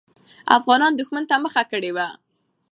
افغانان دښمن ته مخه کړې وه.